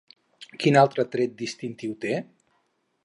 Quin altre tret distintiu té?